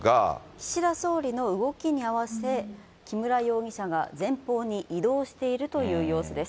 岸田総理の動きに合わせ、木村容疑者が前方に移動しているという様子です。